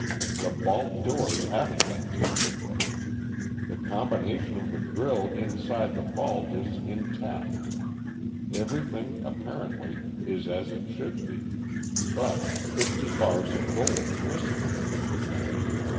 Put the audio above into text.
The vault doors haven't been tampered with. The combination of the grille inside the vault is intact. Everything, apparently, is as it should be but fifty bars of gold are missing."